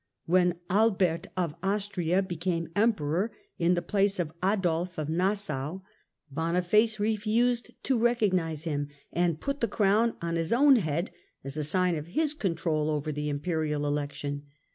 When Albert of Austria became Emperor in the place of Adolf of Nassau, Boniface re fused to recognise him, and put the crown on his own head as a sign of his control over the Imperial election.